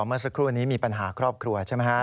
เมื่อสักครู่นี้มีปัญหาครอบครัวใช่ไหมครับ